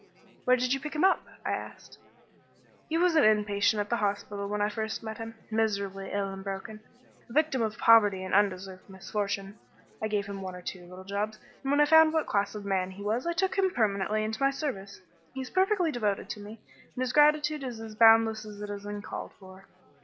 "Where did you pick him up?" I asked. "He was an in patient at the hospital when I first met him, miserably ill and broken, a victim of poverty and undeserved misfortune. I gave him one or two little jobs, and when I found what class of man he was I took him permanently into my service. He is perfectly devoted to me, and his gratitude is as boundless as it is uncalled for."